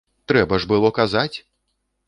Трэба ж было казаць!